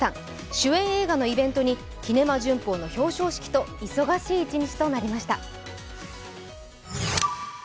主演映画のイベントに「キネマ旬報」の表彰式と忙しい一日となりました。